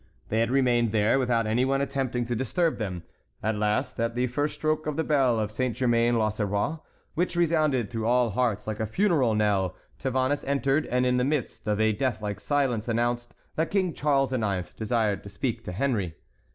They had remained there, without any one attempting to disturb them. At last, at the first stroke of the bell of Saint Germain l'Auxerrois, which resounded through all hearts like a funeral knell, Tavannes entered, and, in the midst of a death like silence, announced that King Charles IX. desired to speak to Henry.